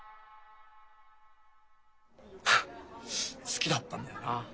好きだったんだよな。